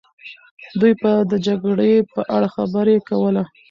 دوی به د جګړې په اړه خبرې کوله.